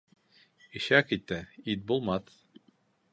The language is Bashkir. Ишәк ите ит булмаҫ.